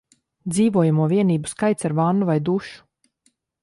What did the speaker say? Dzīvojamo vienību skaits ar vannu vai dušu